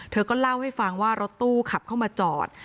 เธอก็เล่าให้ฟังว่ารถตู้ขับเข้ามาจอด